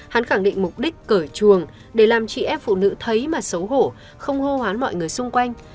hắn khẳng định mục đích cởi chuồng để làm chị em phụ nữ thấy mà xấu hổ không hô hoán mọi người xung quanh